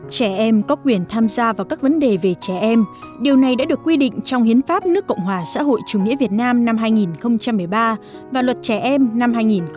trẻ em có quyền tham gia vào các vấn đề về trẻ em điều này đã được quy định trong hiến pháp nước cộng hòa xã hội chủ nghĩa việt nam năm hai nghìn một mươi ba và luật trẻ em năm hai nghìn một mươi bảy